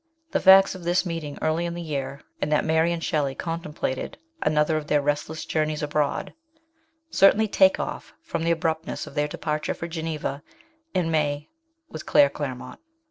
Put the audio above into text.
The facts of this meeting early in the year, and that Mary and Shelley contem plated another of their restless journeys abroad, cer tainly take oft' from the abruptness of their departure for Geneva in May with Claire Claremout.